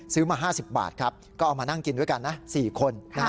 มา๕๐บาทครับก็เอามานั่งกินด้วยกันนะ๔คน